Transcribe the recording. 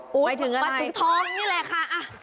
มันถึงทองนี่แหล่ะ